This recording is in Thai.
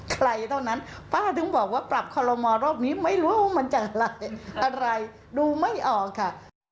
ใครเท่านั้นป้าถึงบอกว่าปรับคอลโมรอบนี้ไม่รู้มันจากอะไรอะไรดูไม่ออกค่ะ